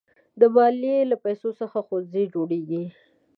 د مالیې له پیسو څخه ښوونځي جوړېږي.